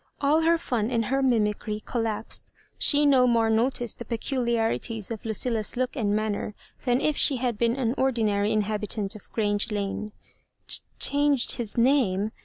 All her fun and her mimicry collapsed. She no more noticed the peculiarities of Ludlla's look and manner than if she had been an ordinary inhabitant of Grange Lane. "Changed his name?"